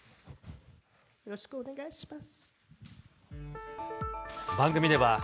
よろしくお願いします。